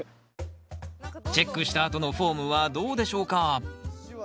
チェックしたあとのフォームはどうでしょうか？